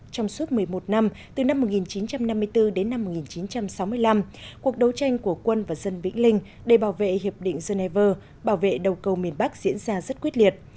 trong suốt một mươi một năm từ năm một nghìn chín trăm năm mươi bốn đến năm một nghìn chín trăm sáu mươi năm cuộc đấu tranh của quân và dân vĩnh linh để bảo vệ hiệp định geneva bảo vệ đầu cầu miền bắc diễn ra rất quyết liệt